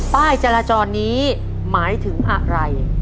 ป้ายจราจรนี้หมายถึงอะไร